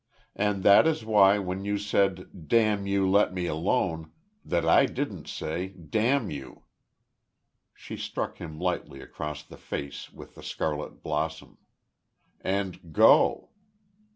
"And that is why, when you said, 'Damn you, let me alone!' that I didn't say, 'Damn you!'" she struck him lightly across the face with the scarlet blossom, "and go."